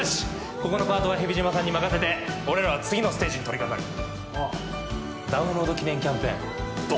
ここのパートは蛇島さんに任せて俺らは次のステージに取りかかるダウンロード記念キャンペーンド